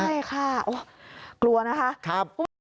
ใช่ค่ะกลัวนะฮะ